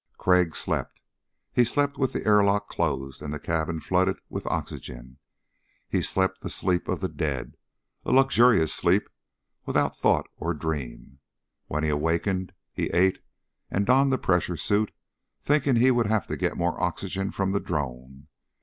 Crag slept. He slept with the airlock closed and the cabin flooded with oxygen. He slept the sleep of the dead, a luxurious sleep without thought or dream. When he awakened, he ate and donned the pressure suit, thinking he would have to get more oxygen from the drone.